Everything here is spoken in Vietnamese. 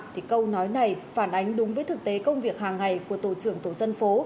thì câu nói này phản ánh đúng với thực tế công việc hàng ngày của tổ trưởng tổ dân phố